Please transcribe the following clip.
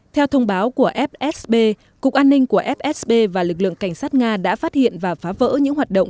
theo thông báo của fsb cục an ninh của fsb và lực lượng cảnh sát nga đã phát hiện và phá vỡ những hoạt động